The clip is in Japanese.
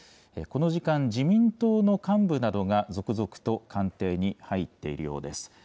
この時間、自民党の幹部などが続々と官邸に入っているようです。